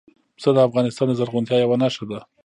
پسه د افغانستان د زرغونتیا یوه نښه ده.